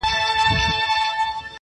اوس مي د زړه پر تكه سپينه پاڼه~